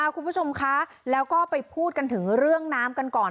คุณผู้ชมคะแล้วก็ไปพูดกันถึงเรื่องน้ำกันก่อน